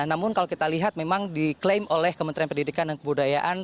namun kalau kita lihat memang diklaim oleh kementerian pendidikan dan kebudayaan